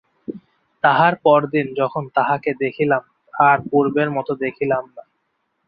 তাহার পরদিন যখন তাঁহাকে দেখিলাম আর পূর্বের মতো দেখিলাম না।